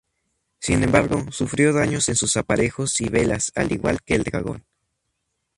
Sin embargo, sufrió daños en sus aparejos y velas, al igual que el "Dragón".